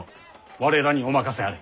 我らにお任せあれ。